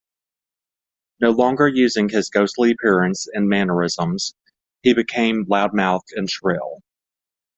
No longer using his ghostly appearance and mannerisms, he became loudmouthed and shrill.